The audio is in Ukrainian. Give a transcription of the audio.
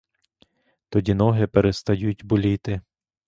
Тоді ноги перестають боліти.